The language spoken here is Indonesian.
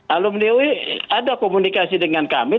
alumni ui ada komunikasi dengan kami